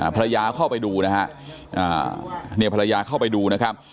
ภรรยาเข้าไปดูนะฮะเนี่ยภรรยาเข้าไปดูนะครับ